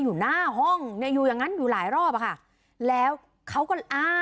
อยู่หน้าห้องเนี่ยอยู่อย่างงั้นอยู่หลายรอบอะค่ะแล้วเขาก็อ้าง